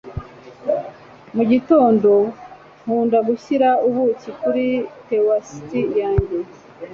mu gitondo, nkunda gushyira ubuki kuri toast yanjye